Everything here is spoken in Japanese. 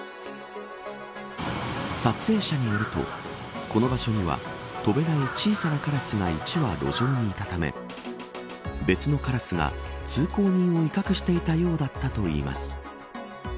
撮影者によるとこの場所には飛べない小さなカラスが１羽路上にいたため別のカラスが通行人を威嚇していたようだったといいます。